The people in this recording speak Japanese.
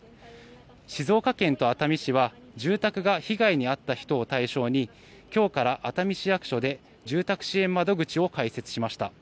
静岡県と熱海市は住宅が被害に遭った人を対象に今日から熱海市役所で住宅支援窓口を開設しました。